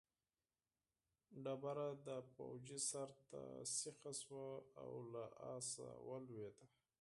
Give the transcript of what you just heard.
ډبره د پوځي سر ته سیخه شوه او له آسه ولوېد.